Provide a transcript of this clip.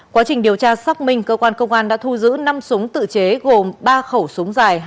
quá trình điều tra xác minh cơ quan công an đã thu giữ năm súng tự chế gồm ba khẩu súng dài